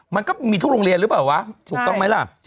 มันก็มีทุกโรงเรียนหรือเปล่าวะถูกต้องไหมล่ะ